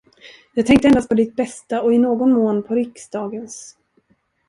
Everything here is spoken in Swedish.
Jag tänkte endast på ditt bästa och i någon mån på riksdagens.